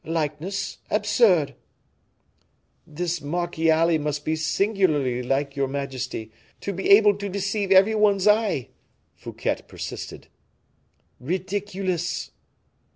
"Likeness? Absurd!" "This Marchiali must be singularly like your majesty, to be able to deceive every one's eye," Fouquet persisted. "Ridiculous!"